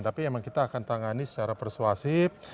tapi memang kita akan tangani secara persuasif